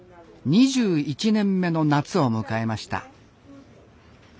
２１年目の夏を迎えました。